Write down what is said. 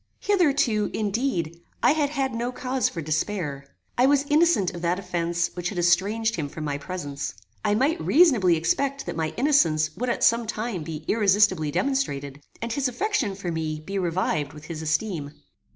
Hitherto, indeed, I had had no cause for despair. I was innocent of that offence which had estranged him from my presence. I might reasonably expect that my innocence would at some time be irresistably demonstrated, and his affection for me be revived with his esteem.